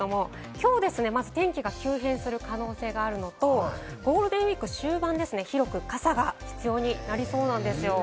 今日まず天気が急変する可能性があるのとゴールデンウイーク終盤、広く傘が必要になりそうなんですよ。